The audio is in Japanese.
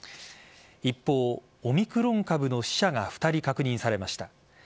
一方、オミクロン株の死者が２人確認されました。